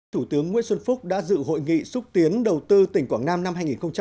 thủ tướng nguyễn xuân phúc đã dự hội nghị xúc tiến đầu tư tỉnh quảng nam năm hai nghìn hai mươi